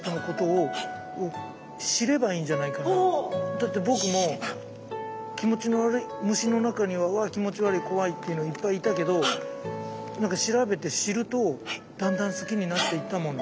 だって僕も気持ちの悪い虫の中にはわ気持ち悪い怖いっていうのいっぱいいたけど何か調べて知るとだんだん好きになっていったもの。